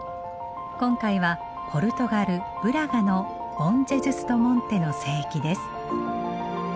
今回はポルトガルブラガのボン・ジェズス・ド・モンテの聖域です。